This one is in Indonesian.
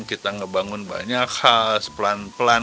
kita ngebangun banyak khas pelan pelan